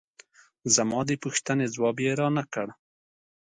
زما د پوښتنې ځواب یې را نه کړ.